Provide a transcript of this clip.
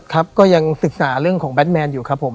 ครับก็ยังศึกษาเรื่องของแบทแมนอยู่ครับผม